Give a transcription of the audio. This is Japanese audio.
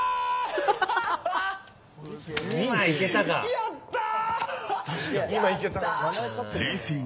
やったー！